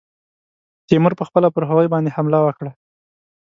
تیمور پخپله پر هغوی باندي حمله وکړه.